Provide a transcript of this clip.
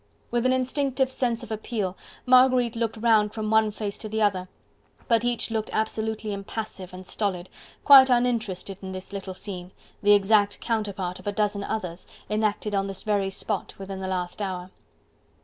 With an instinctive sense of appeal, Marguerite looked round from one face to the other: but each looked absolutely impassive and stolid, quite uninterested in this little scene, the exact counterpart of a dozen others, enacted on this very spot within the last hour.